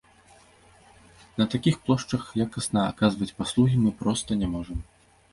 На такіх плошчах якасна аказваць паслугі мы проста не можам.